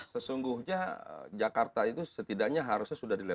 sesungguhnya jakarta itu setidaknya harusnya sudah di level dua